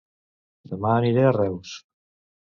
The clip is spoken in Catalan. Dema aniré a Reus